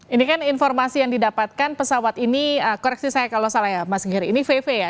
ini kan informasi yang didapatkan pesawat ini koreksi saya kalau salah ya mas giri ini vv ya